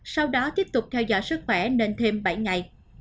sau đó tiếp tục theo dõi sức khỏe nên thêm bảy ngày